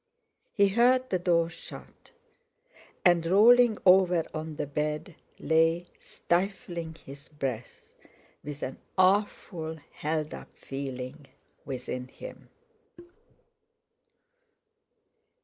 He heard the door shut; and, rolling over on the bed, lay, stifling his breath, with an awful held up feeling within him.